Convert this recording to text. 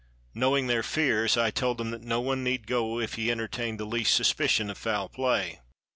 Knowing their fears, I told them that no one need go if he entertained the least suspicion of foul play.